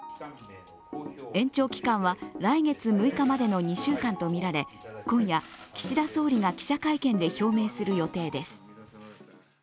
延長期間は来月６日までの２週間とみられ今夜、岸田総理が記者会見で表明する予定です。